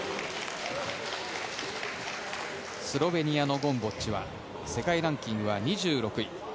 スロベニアのゴムボッチは世界ランキングは２６位。